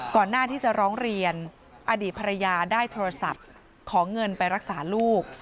หน้าที่จะร้องเรียนอดีตภรรยาได้โทรศัพท์ขอเงินไปรักษาลูก